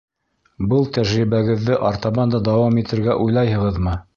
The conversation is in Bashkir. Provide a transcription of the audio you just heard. Был тәжрибәгеҙҙе артабан да дауам итергә уйлайһығыҙмы?